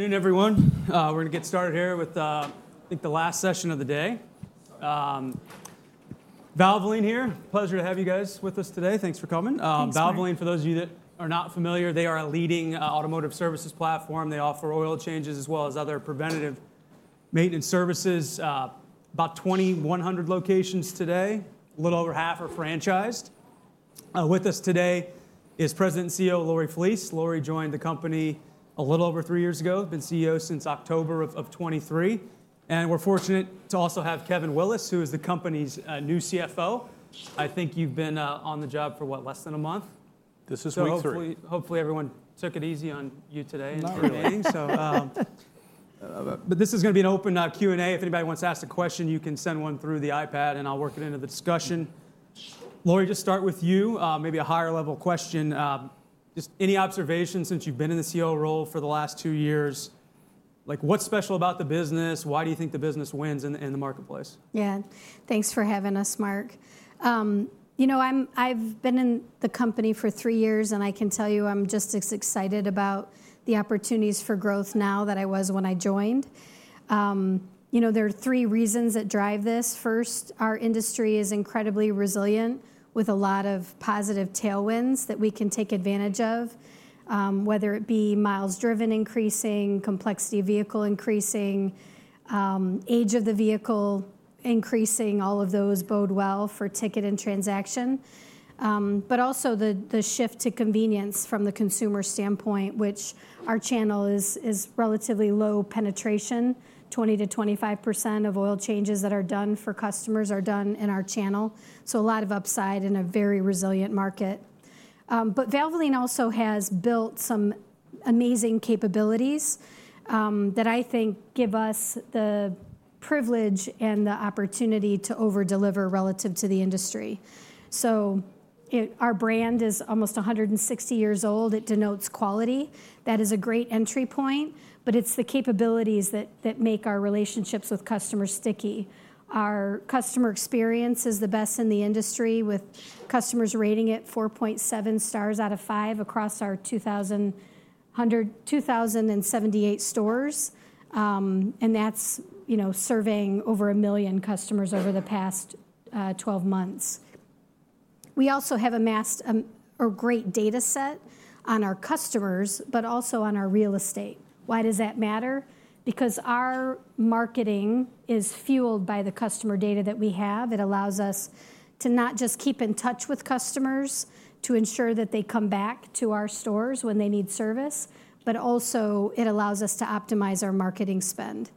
Good evening, everyone. We're going to get started here with, I think, the last session of the day. Valvoline here. Pleasure to have you guys with us today. Thanks for coming. Valvoline, for those of you that are not familiar, they are a leading automotive services platform. They offer oil changes as well as other preventative maintenance services. About 2,100 locations today. A little over half are franchised. With us today is President and CEO Lori Flees. Lori joined the company a little over three years ago. Been CEO since October of 2023. And we're fortunate to also have Kevin Willis, who is the company's new CFO. I think you've been on the job for, what, less than a month? This is me too. Hopefully, everyone took it easy on you today and remaining so. This is going to be an open Q&A. If anybody wants to ask a question, you can send one through the iPad, and I'll work it into the discussion. Lori, just start with you. Maybe a higher-level question. Just any observations since you've been in the CEO role for the last two years? What's special about the business? Why do you think the business wins in the marketplace? Yeah. Thanks for having us, Mark. You know, I've been in the company for three years, and I can tell you I'm just as excited about the opportunities for growth now that I was when I joined. You know, there are three reasons that drive this. First, our industry is incredibly resilient with a lot of positive tailwinds that we can take advantage of, whether it be miles driven increasing, complexity of vehicle increasing, age of the vehicle increasing—all of those bode well for ticket and transaction. Also the shift to convenience from the consumer standpoint, which our channel is relatively low penetration. 20-25 of oil changes that are done for customers are done in our channel. A lot of upside in a very resilient market. Valvoline also has built some amazing capabilities that I think give us the privilege and the opportunity to overdeliver relative to the industry. Our brand is almost 160 years old. It denotes quality. That is a great entry point. It is the capabilities that make our relationships with customers sticky. Our customer experience is the best in the industry, with customers rating it 4.7 stars out of 5 across our 2,078 stores. That is surveying over a million customers over the past 12 months. We also have amassed a great data set on our customers, but also on our real estate. Why does that matter? Our marketing is fueled by the customer data that we have. It allows us to not just keep in touch with customers to ensure that they come back to our stores when they need service, but also it allows us to optimize our marketing spend.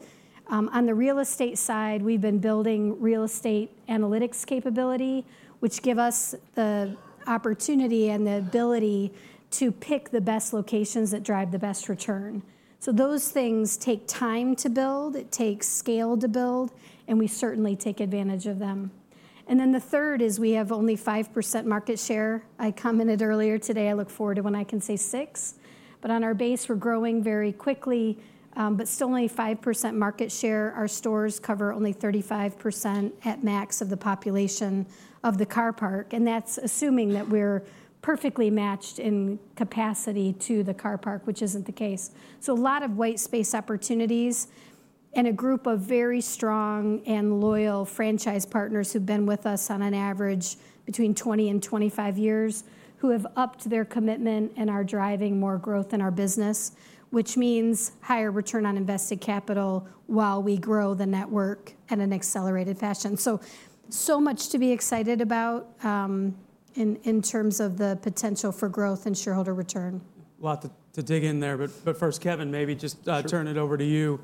On the real estate side, we have been building real estate analytics capability, which gives us the opportunity and the ability to pick the best locations that drive the best return. Those things take time to build. It takes scale to build. We certainly take advantage of them. The third is we have only 5% market share. I commented earlier today, I look forward to when I can say 6%. On our base, we are growing very quickly, but still only 5% market share. Our stores cover only 35% at max of the population of the car park. That is assuming that we are perfectly matched in capacity to the car park, which is not the case. A lot of white space opportunities and a group of very strong and loyal franchise partners who have been with us on average between 20 and 25 years who have upped their commitment and are driving more growth in our business, which means higher return on invested capital while we grow the network in an accelerated fashion. There is so much to be excited about in terms of the potential for growth and shareholder return. A lot to dig in there. First, Kevin, maybe just turn it over to you.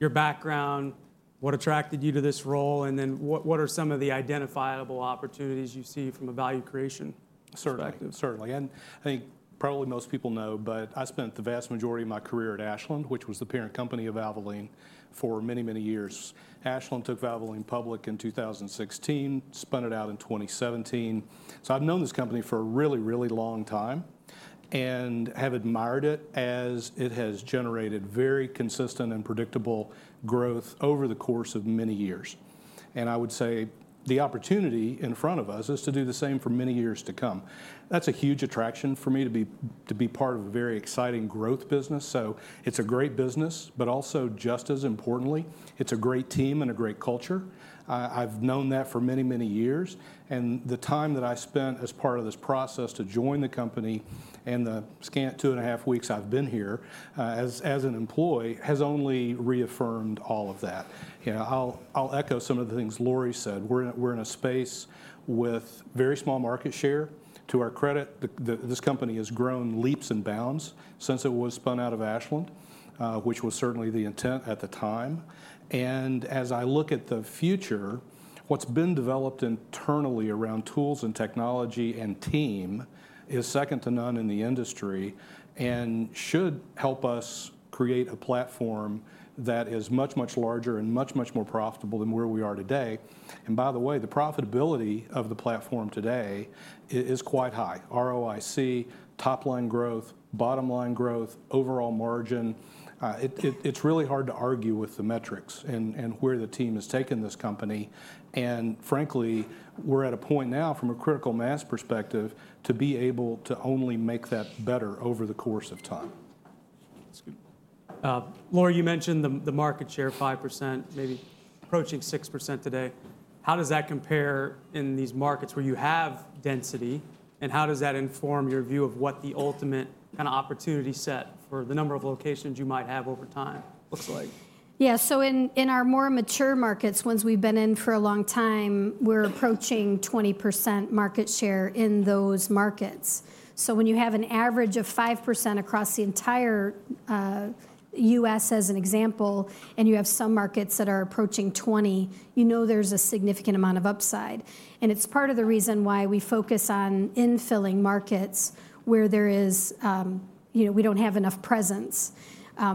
Your background, what attracted you to this role, and then what are some of the identifiable opportunities you see from a value creation perspective? Certainly. I think probably most people know, but I spent the vast majority of my career at Ashland, which was the parent company of Valvoline for many, many years. Ashland took Valvoline public in 2016, spun it out in 2017. I have known this company for a really, really long time and have admired it as it has generated very consistent and predictable growth over the course of many years. I would say the opportunity in front of us is to do the same for many years to come. That is a huge attraction for me to be part of a very exciting growth business. It is a great business, but also just as importantly, it is a great team and a great culture. I have known that for many, many years. The time that I spent as part of this process to join the company and the scant two and a half weeks I've been here as an employee has only reaffirmed all of that. I'll echo some of the things Lori said. We're in a space with very small market share. To our credit, this company has grown leaps and bounds since it was spun out of Ashland, which was certainly the intent at the time. As I look at the future, what's been developed internally around tools and technology and team is second to none in the industry and should help us create a platform that is much, much larger and much, much more profitable than where we are today. By the way, the profitability of the platform today is quite high. ROIC, top-line growth, bottom-line growth, overall margin, it's really hard to argue with the metrics and where the team has taken this company. Frankly, we're at a point now from a critical mass perspective to be able to only make that better over the course of time. Lori, you mentioned the market share, 5%, maybe approaching 6% today. How does that compare in these markets where you have density, and how does that inform your view of what the ultimate kind of opportunity set for the number of locations you might have over time looks like? Yeah. In our more mature markets, ones we've been in for a long time, we're approaching 20% market share in those markets. When you have an average of 5% across the entire U.S., as an example, and you have some markets that are approaching 20%, you know there's a significant amount of upside. It's part of the reason why we focus on infilling markets where there is, you know, we don't have enough presence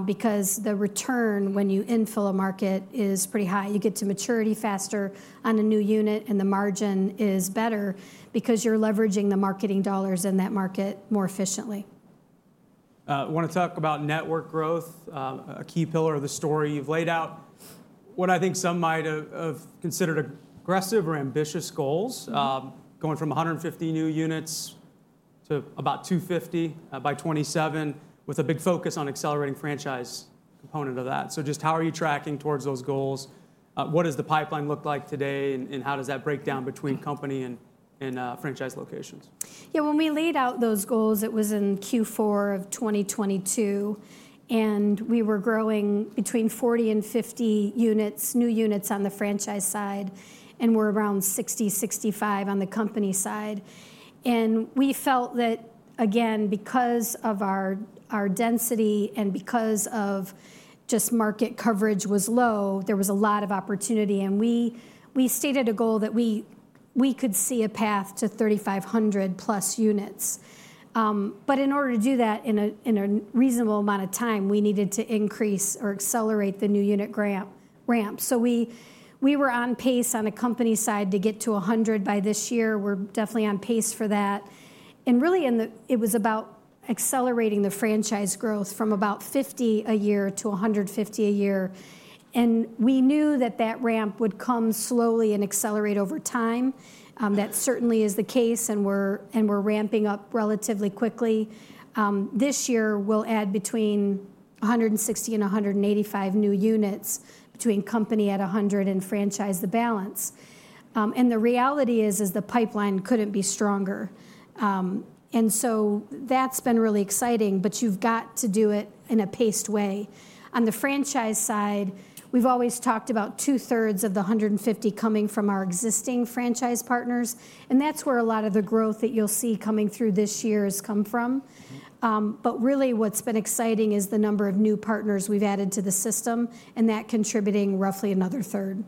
because the return when you infill a market is pretty high. You get to maturity faster on a new unit, and the margin is better because you're leveraging the marketing dollars in that market more efficiently. Want to talk about network growth, a key pillar of the story you have laid out, what I think some might have considered aggressive or ambitious goals, going from 150 new units to about 250 by 2027, with a big focus on accelerating franchise component of that. Just how are you tracking towards those goals? What does the pipeline look like today, and how does that break down between company and franchise locations? Yeah. When we laid out those goals, it was in Q4 of 2022, and we were growing between 40 and 50 units, new units on the franchise side, and we were around 60-65 on the company side. We felt that, again, because of our density and because market coverage was low, there was a lot of opportunity. We stated a goal that we could see a path to 3,500 plus units. In order to do that in a reasonable amount of time, we needed to increase or accelerate the new unit ramp. We were on pace on the company side to get to 100 by this year. We're definitely on pace for that. It was about accelerating the franchise growth from about 50 a year to 150 a year. We knew that ramp would come slowly and accelerate over time. That certainly is the case, and we're ramping up relatively quickly. This year, we'll add between 160 and 185 new units between company at 100 and franchise the balance. The reality is, is the pipeline couldn't be stronger. That's been really exciting, but you've got to do it in a paced way. On the franchise side, we've always talked about two-thirds of the 150 coming from our existing franchise partners. That's where a lot of the growth that you'll see coming through this year has come from. Really, what's been exciting is the number of new partners we've added to the system, and that contributing roughly another 1/3.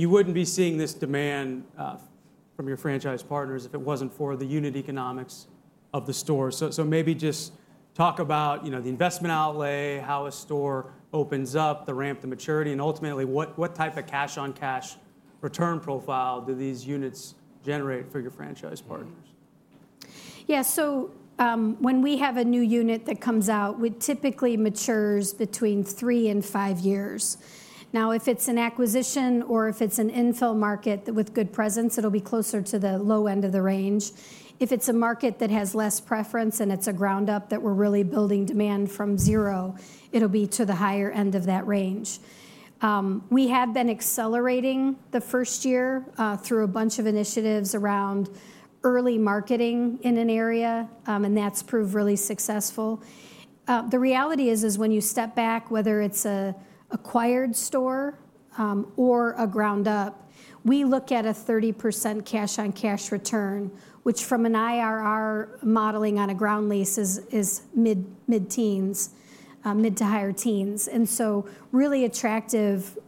You wouldn't be seeing this demand from your franchise partners if it wasn't for the unit economics of the store. Maybe just talk about the investment outlay, how a store opens up, the ramp, the maturity, and ultimately, what type of cash-on-cash return profile do these units generate for your franchise partners? Yeah. So when we have a new unit that comes out, it typically matures between three and five years. Now, if it's an acquisition or if it's an infill market with good presence, it'll be closer to the low end of the range. If it's a market that has less presence and it's a ground-up that we're really building demand from zero, it'll be to the higher end of that range. We have been accelerating the first year through a bunch of initiatives around early marketing in an area, and that's proved really successful. The reality is, is when you step back, whether it's an acquired store or a ground-up, we look at a 30% cash-on-cash return, which from an IRR modeling on a ground lease is mid-teens, mid to higher teens. And so really attractive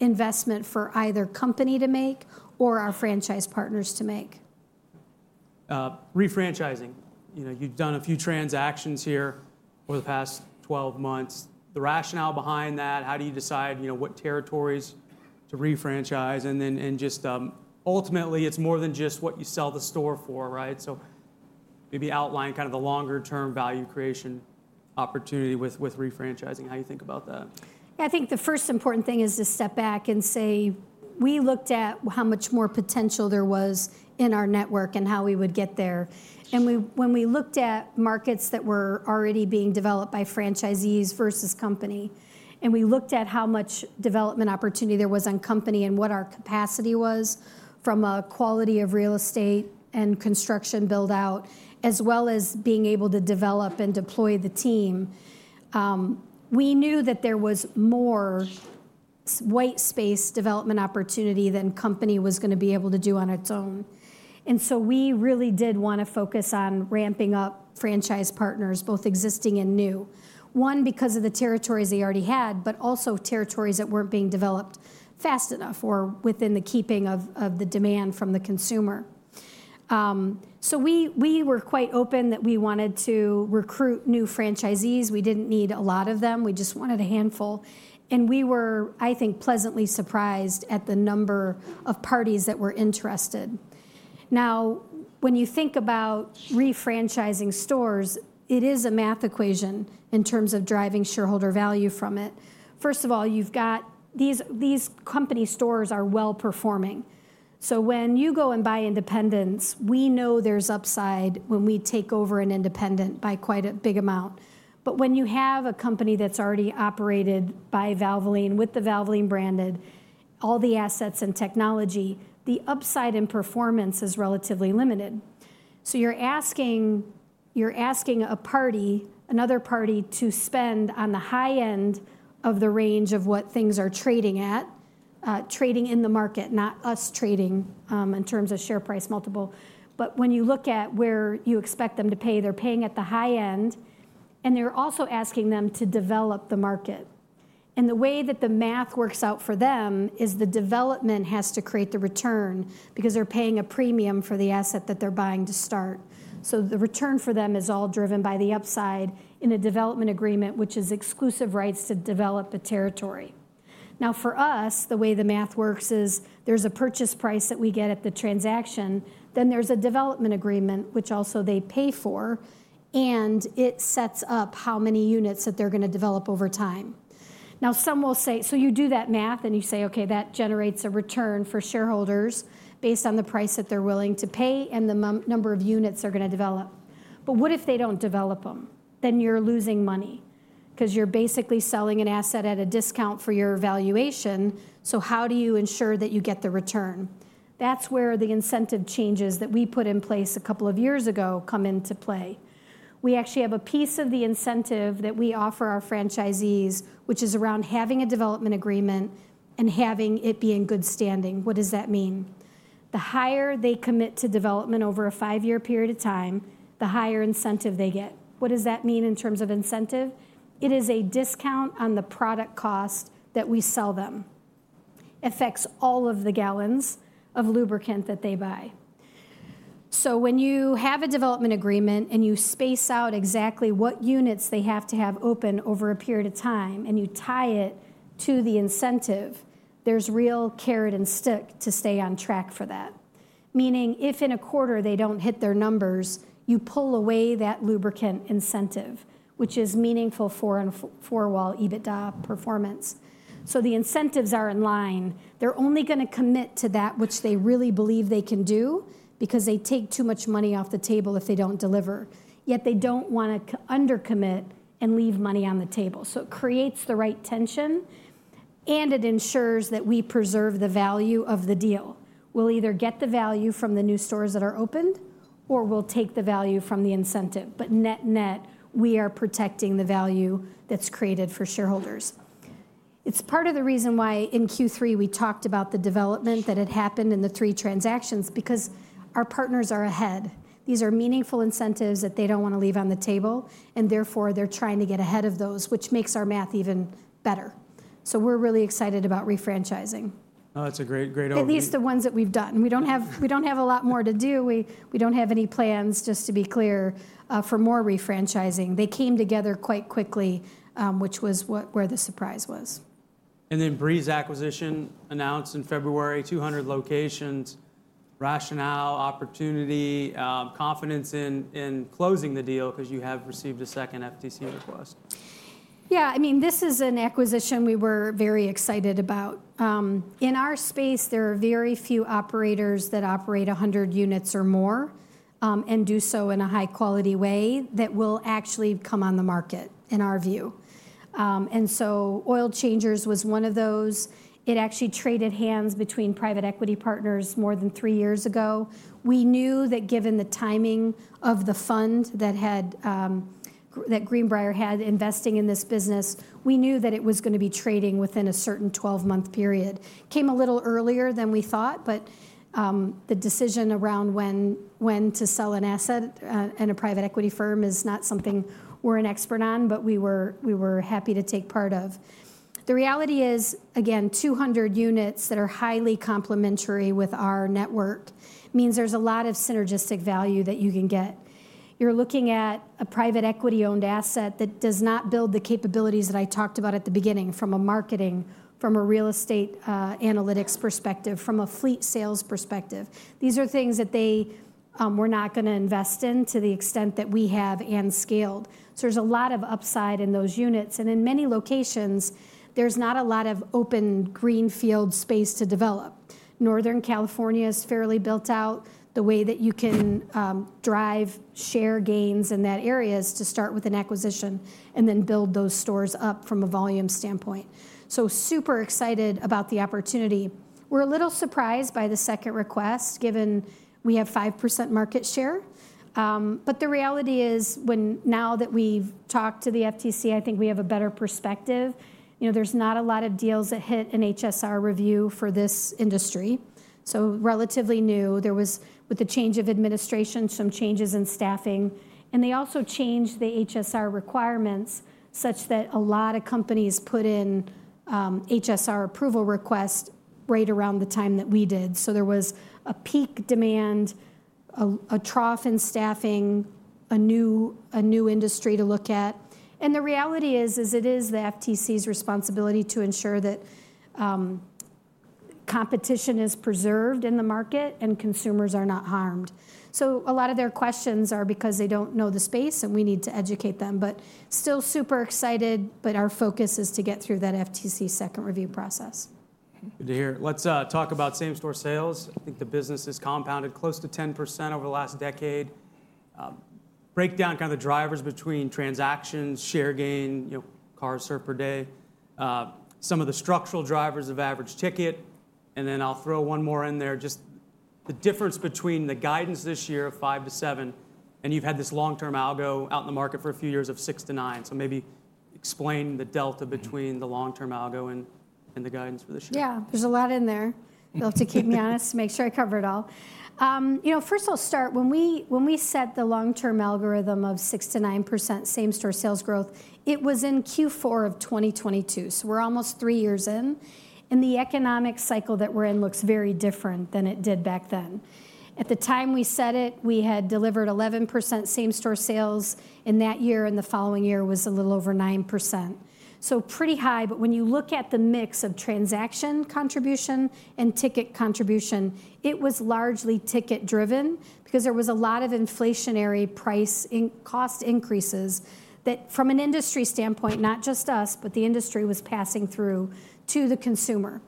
investment for either company to make or our franchise partners to make. Refranchising. You have done a few transactions here over the past 12 months. The rationale behind that, how do you decide what territories to refranchise? It is more than just what you sell the store for, right? Maybe outline kind of the longer-term value creation opportunity with refranchising, how you think about that. Yeah. I think the first important thing is to step back and say, we looked at how much more potential there was in our network and how we would get there. When we looked at markets that were already being developed by franchisees versus company, and we looked at how much development opportunity there was on company and what our capacity was from a quality of real estate and construction build-out, as well as being able to develop and deploy the team, we knew that there was more white space development opportunity than company was going to be able to do on its own. We really did want to focus on ramping up franchise partners, both existing and new, one, because of the territories they already had, but also territories that were not being developed fast enough or within the keeping of the demand from the consumer. We were quite open that we wanted to recruit new franchisees. We did not need a lot of them. We just wanted a handful. I think we were pleasantly surprised at the number of parties that were interested. Now, when you think about refranchising stores, it is a math equation in terms of driving shareholder value from it. First of all, you have these company stores that are well-performing. When you go and buy independents, we know there is upside when we take over an independent by quite a big amount. When you have a company that is already operated by Valvoline, with the Valvoline branded, all the assets and technology, the upside in performance is relatively limited. You're asking a party, another party, to spend on the high end of the range of what things are trading at, trading in the market, not us trading in terms of share price multiple. When you look at where you expect them to pay, they're paying at the high end, and you're also asking them to develop the market. The way that the math works out for them is the development has to create the return because they're paying a premium for the asset that they're buying to start. The return for them is all driven by the upside in a development agreement, which is exclusive rights to develop the territory. Now, for us, the way the math works is there's a purchase price that we get at the transaction, then there's a development agreement, which also they pay for, and it sets up how many units that they're going to develop over time. Some will say, you do that math and you say, okay, that generates a return for shareholders based on the price that they're willing to pay and the number of units they're going to develop. What if they don't develop them? You're losing money because you're basically selling an asset at a discount for your valuation. How do you ensure that you get the return? That's where the incentive changes that we put in place a couple of years ago come into play. We actually have a piece of the incentive that we offer our franchisees, which is around having a development agreement and having it be in good standing. What does that mean? The higher they commit to development over a five-year period of time, the higher incentive they get. What does that mean in terms of incentive? It is a discount on the product cost that we sell them. It affects all of the gallons of lubricant that they buy. When you have a development agreement and you space out exactly what units they have to have open over a period of time and you tie it to the incentive, there is real carrot and stick to stay on track for that. Meaning if in a quarter they do not hit their numbers, you pull away that lubricant incentive, which is meaningful for, well, EBITDA performance. The incentives are in line. They're only going to commit to that which they really believe they can do because they take too much money off the table if they don't deliver. Yet they don't want to undercommit and leave money on the table. It creates the right tension, and it ensures that we preserve the value of the deal. We'll either get the value from the new stores that are opened, or we'll take the value from the incentive. Net net, we are protecting the value that's created for shareholders. It's part of the reason why in Q3 we talked about the development that had happened in the three transactions because our partners are ahead. These are meaningful incentives that they don't want to leave on the table, and therefore they're trying to get ahead of those, which makes our math even better. We're really excited about refranchising. That's a great opening. At least the ones that we've done. We don't have a lot more to do. We don't have any plans, just to be clear, for more refranchising. They came together quite quickly, which was where the surprise was. Breeze Acquisition announced in February, 200 locations. Rationale, opportunity, confidence in closing the deal because you have received a second FTC request. Yeah. I mean, this is an acquisition we were very excited about. In our space, there are very few operators that operate 100 units or more and do so in a high-quality way that will actually come on the market, in our view. Oil Changers was one of those. It actually traded hands between private equity partners more than three years ago. We knew that given the timing of the fund that Greenbrier had investing in this business, we knew that it was going to be trading within a certain 12-month period. It came a little earlier than we thought, but the decision around when to sell an asset and a private equity firm is not something we're an expert on, but we were happy to take part of. The reality is, again, 200 units that are highly complementary with our network means there's a lot of synergistic value that you can get. You're looking at a private equity-owned asset that does not build the capabilities that I talked about at the beginning from a marketing, from a real estate analytics perspective, from a fleet sales perspective. These are things that they were not going to invest in to the extent that we have and scaled. There is a lot of upside in those units. In many locations, there is not a lot of open greenfield space to develop. Northern California is fairly built out. The way that you can drive share gains in that area is to start with an acquisition and then build those stores up from a volume standpoint. Super excited about the opportunity. We're a little surprised by the second request, given we have 5% market share. The reality is, now that we've talked to the FTC, I think we have a better perspective. There's not a lot of deals that hit an HSR review for this industry. Relatively new, there was, with the change of administration, some changes in staffing. They also changed the HSR requirements such that a lot of companies put in HSR approval requests right around the time that we did. There was a peak demand, a trough in staffing, a new industry to look at. The reality is, it is the FTC's responsibility to ensure that competition is preserved in the market and consumers are not harmed. A lot of their questions are because they don't know the space and we need to educate them. Still super excited, but our focus is to get through that FTC second review process. Good to hear. Let's talk about same-store sales. I think the business has compounded close to 10% over the last decade. Break down kind of the drivers between transactions, share gain, cars served per day, some of the structural drivers of average ticket. I will throw one more in there, just the difference between the guidance this year of 5%-7%, and you've had this long-term algo out in the market for a few years of 6%-9%. Maybe explain the delta between the long-term algo and the guidance for this year. Yeah. There's a lot in there. You'll have to keep me honest to make sure I cover it all. First, I'll start. When we set the long-term algorithm of 6%-9% same-store sales growth, it was in Q4 of 2022. So we're almost three years in. The economic cycle that we're in looks very different than it did back then. At the time we set it, we had delivered 11% same-store sales in that year. In the following year, it was a little over 9%. Pretty high. When you look at the mix of transaction contribution and ticket contribution, it was largely ticket-driven because there was a lot of inflationary price and cost increases that, from an industry standpoint, not just us, but the industry was passing through to the consumer.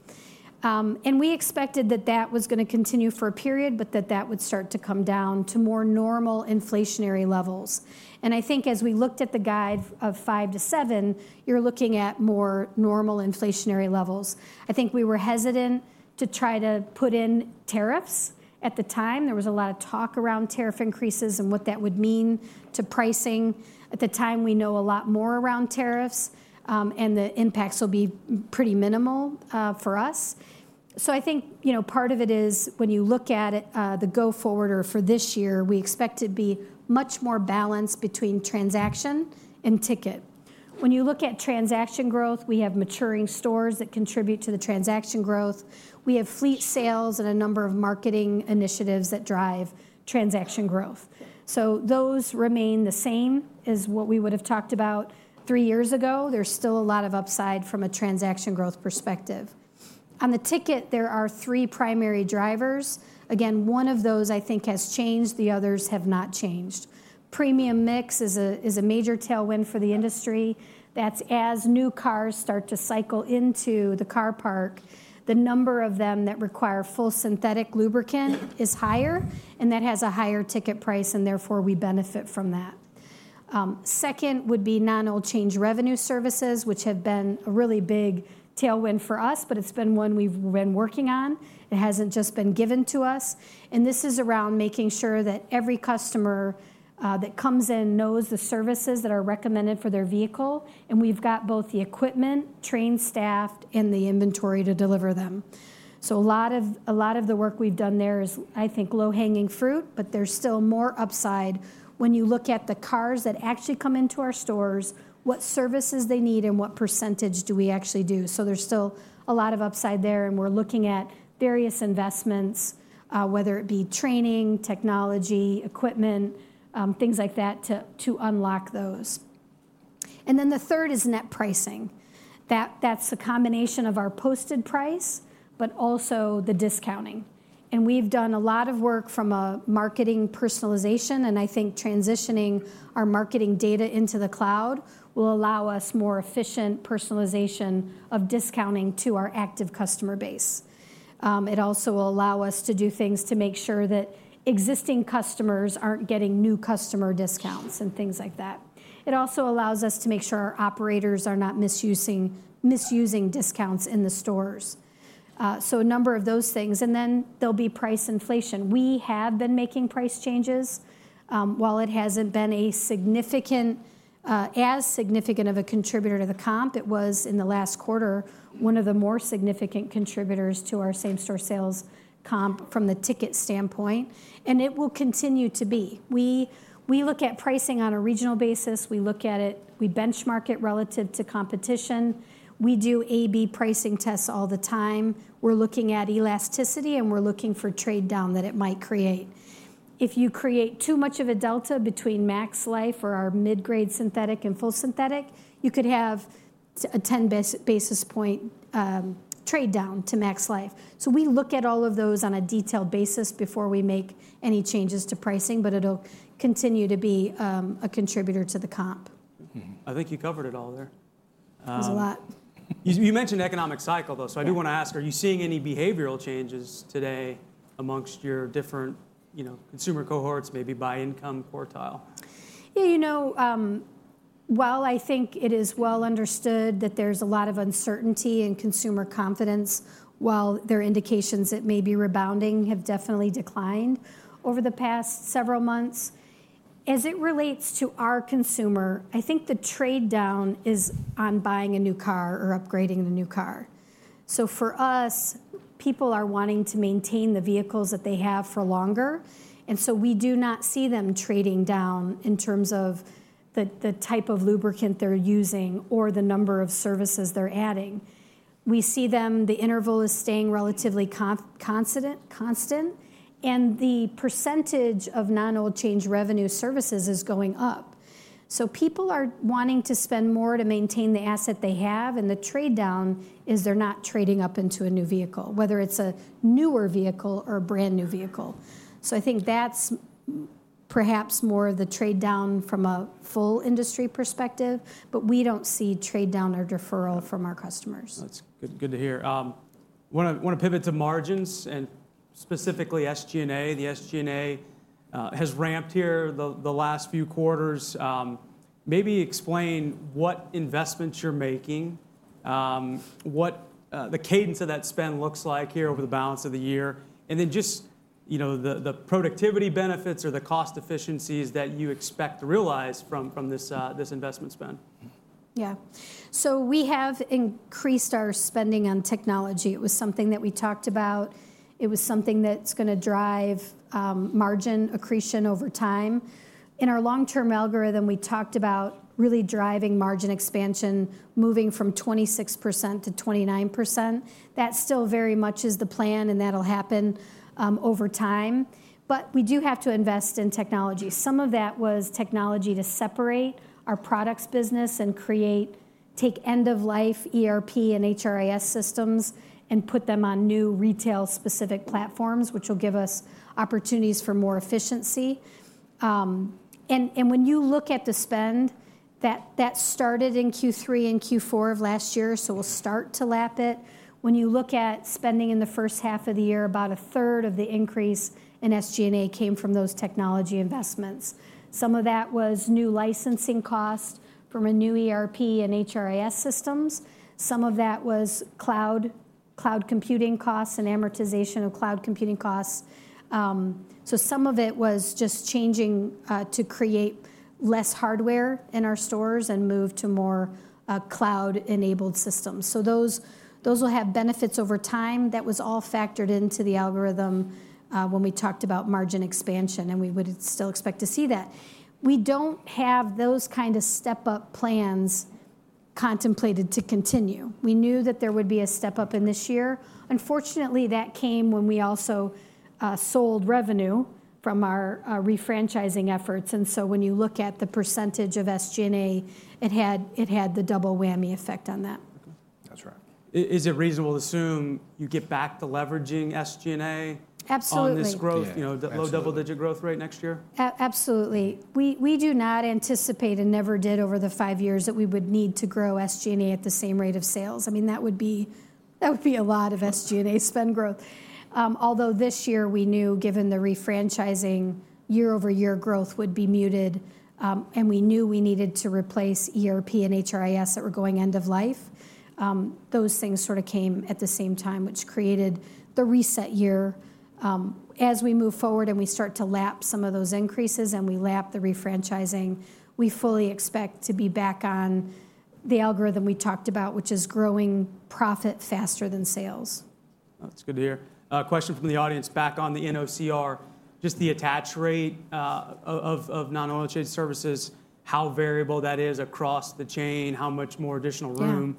We expected that that was going to continue for a period, but that that would start to come down to more normal inflationary levels. I think as we looked at the guide of 5%-7%, you're looking at more normal inflationary levels. I think we were hesitant to try to put in tariffs at the time. There was a lot of talk around tariff increases and what that would mean to pricing. At the time, we know a lot more around tariffs, and the impacts will be pretty minimal for us. I think part of it is when you look at the go-forward for this year, we expect to be much more balanced between transaction and ticket. When you look at transaction growth, we have maturing stores that contribute to the transaction growth. We have fleet sales and a number of marketing initiatives that drive transaction growth. Those remain the same as what we would have talked about three years ago. There is still a lot of upside from a transaction growth perspective. On the ticket, there are three primary drivers. Again, one of those I think has changed. The others have not changed. Premium mix is a major tailwind for the industry. As new cars start to cycle into the car park, the number of them that require full synthetic lubricant is higher, and that has a higher ticket price, and therefore we benefit from that. Second would be non-oil change revenue services, which have been a really big tailwind for us, but it is one we have been working on. It has not just been given to us. This is around making sure that every customer that comes in knows the services that are recommended for their vehicle. We've got both the equipment, trained staff, and the inventory to deliver them. A lot of the work we've done there is, I think, low-hanging fruit, but there's still more upside when you look at the cars that actually come into our stores, what services they need, and what percentage we actually do. There's still a lot of upside there, and we're looking at various investments, whether it be training, technology, equipment, things like that to unlock those. The third is net pricing. That's a combination of our posted price, but also the discounting. We've done a lot of work from a marketing personalization, and I think transitioning our marketing data into the cloud will allow us more efficient personalization of discounting to our active customer base. It also will allow us to do things to make sure that existing customers aren't getting new customer discounts and things like that. It also allows us to make sure our operators are not misusing discounts in the stores. A number of those things. There will be price inflation. We have been making price changes. While it hasn't been as significant of a contributor to the comp, it was in the last quarter one of the more significant contributors to our same-store sales comp from the ticket standpoint, and it will continue to be. We look at pricing on a regional basis. We look at it. We benchmark it relative to competition. We do A/B pricing tests all the time. We're looking at elasticity, and we're looking for trade-down that it might create. If you create too much of a delta between MaxLife or our mid-grade synthetic and full synthetic, you could have a 10 basis point trade-down to MaxLife. We look at all of those on a detailed basis before we make any changes to pricing, but it'll continue to be a contributor to the comp. I think you covered it all there. It was a lot. You mentioned economic cycle, though, so I do want to ask, are you seeing any behavioral changes today amongst your different consumer cohorts, maybe by income quartile? Yeah. You know, while I think it is well understood that there's a lot of uncertainty in consumer confidence, while there are indications it may be rebounding, have definitely declined over the past several months. As it relates to our consumer, I think the trade-down is on buying a new car or upgrading a new car. For us, people are wanting to maintain the vehicles that they have for longer. We do not see them trading down in terms of the type of lubricant they're using or the number of services they're adding. We see them, the interval is staying relatively constant, and the percentage of non-oil change revenue services is going up. People are wanting to spend more to maintain the asset they have, and the trade-down is they're not trading up into a new vehicle, whether it's a newer vehicle or a brand new vehicle. I think that's perhaps more of the trade-down from a full industry perspective, but we don't see trade-down or deferral from our customers. That's good to hear. I want to pivot to margins and specifically SG&A. The SG&A has ramped here the last few quarters. Maybe explain what investments you're making, what the cadence of that spend looks like here over the balance of the year, and then just the productivity benefits or the cost efficiencies that you expect to realize from this investment spend. Yeah. We have increased our spending on technology. It was something that we talked about. It was something that's going to drive margin accretion over time. In our long-term algorithm, we talked about really driving margin expansion, moving from 26% to 29%. That still very much is the plan, and that'll happen over time. We do have to invest in technology. Some of that was technology to separate our products business and create, take end-of-life ERP and HRIS systems and put them on new retail-specific platforms, which will give us opportunities for more efficiency. When you look at the spend, that started in Q3 and Q4 of last year, so we'll start to lap it. When you look at spending in the first half of the year, about a third of the increase in SG&A came from those technology investments. Some of that was new licensing costs from a new ERP and HRIS systems. Some of that was cloud computing costs and amortization of cloud computing costs. Some of it was just changing to create less hardware in our stores and move to more cloud-enabled systems. Those will have benefits over time. That was all factored into the algorithm when we talked about margin expansion, and we would still expect to see that. We do not have those kind of step-up plans contemplated to continue. We knew that there would be a step-up in this year. Unfortunately, that came when we also sold revenue from our refranchising efforts. When you look at the percentage of SG&A, it had the double whammy effect on that. That's right. Is it reasonable to assume you get back to leveraging SG&A on this growth, low double-digit growth rate next year? Absolutely. We do not anticipate and never did over the five years that we would need to grow SG&A at the same rate of sales. I mean, that would be a lot of SG&A spend growth. Although this year we knew, given the refranchising, year-over-year growth would be muted, and we knew we needed to replace ERP and HRIS that were going end-of-life. Those things sort of came at the same time, which created the reset year. As we move forward and we start to lap some of those increases and we lap the refranchising, we fully expect to be back on the algorithm we talked about, which is growing profit faster than sales. That's good to hear. Question from the audience back on the NOCR. Just the attach rate of non-oil change services, how variable that is across the chain, how much more additional room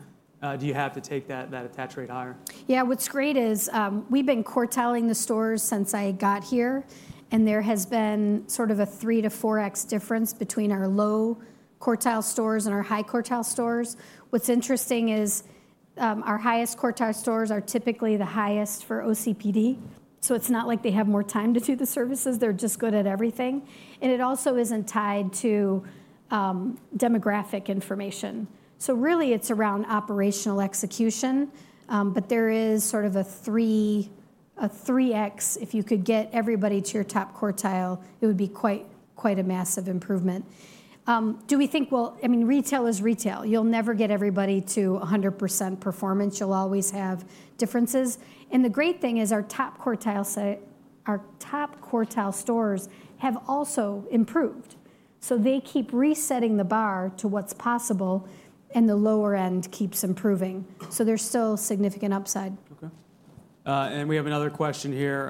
do you have to take that attach rate higher? Yeah. What's great is we've been quartiling the stores since I got here, and there has been sort of a three to four X difference between our low quartile stores and our high quartile stores. What's interesting is our highest quartile stores are typically the highest for OCPD. It's not like they have more time to do the services. They're just good at everything. It also isn't tied to demographic information. Really, it's around operational execution, but there is sort of a three X. If you could get everybody to your top quartile, it would be quite a massive improvement. Do we think, I mean, retail is retail. You'll never get everybody to 100% performance. You'll always have differences. The great thing is our top quartile stores have also improved. They keep resetting the bar to what's possible, and the lower end keeps improving. There's still significant upside. Okay. We have another question here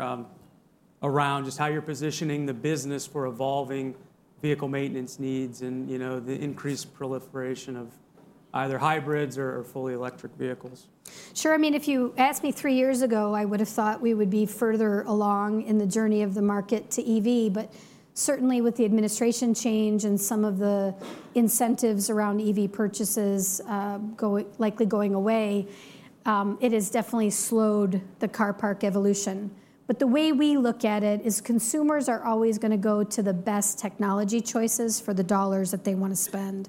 around just how you're positioning the business for evolving vehicle maintenance needs and the increased proliferation of either hybrids or fully electric vehicles. Sure. I mean, if you asked me three years ago, I would have thought we would be further along in the journey of the market to EV. Certainly, with the administration change and some of the incentives around EV purchases likely going away, it has definitely slowed the car park evolution. The way we look at it is consumers are always going to go to the best technology choices for the dollars that they want to spend.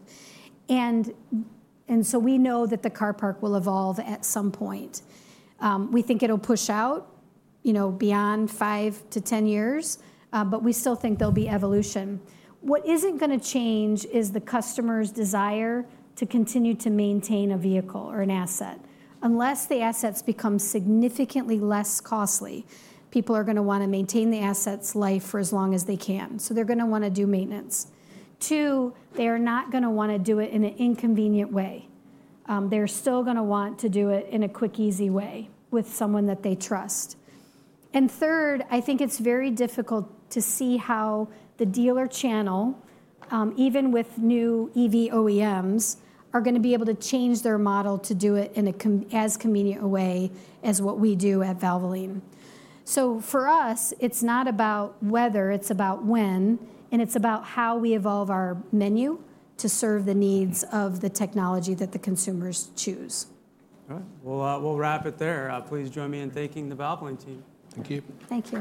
We know that the car park will evolve at some point. We think it'll push out beyond five to ten years, but we still think there'll be evolution. What isn't going to change is the customer's desire to continue to maintain a vehicle or an asset unless the assets become significantly less costly. People are going to want to maintain the asset's life for as long as they can. They're going to want to do maintenance. Two, they are not going to want to do it in an inconvenient way. They're still going to want to do it in a quick, easy way with someone that they trust. Third, I think it's very difficult to see how the dealer channel, even with new EV OEMs, are going to be able to change their model to do it in as convenient a way as what we do at Valvoline. For us, it's not about whether, it's about when, and it's about how we evolve our menu to serve the needs of the technology that the consumers choose. All right. We'll wrap it there. Please join me in thanking the Valvoline team. Thank you. Thank you.